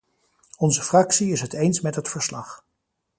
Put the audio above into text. Onze fractie is het eens met het verslag.